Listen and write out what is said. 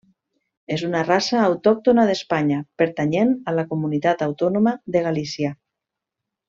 És una raça autòctona d'Espanya pertanyent a la comunitat autònoma de Galícia.